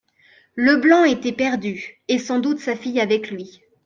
Leblanc était perdu, et sans doute sa fille avec lui.